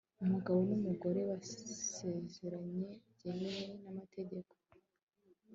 umugabo n'umugore basezeranye byemewe n'amategeko